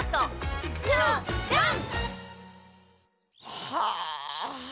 はあ。